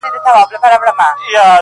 ددې خاوري ارغوان او زغن زما دی!!